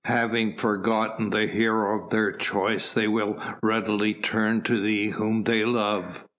Having forgotten the hero of their choice they will readily turn to thee whom they love.